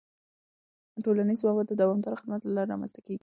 ټولنیز باور د دوامداره خدمت له لارې رامنځته کېږي.